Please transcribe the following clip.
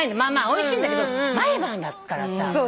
おいしいんだけど毎晩だから。